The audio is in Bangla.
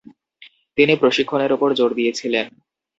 তিনি প্রশিক্ষণের ওপর জোর দিয়েছিলেন।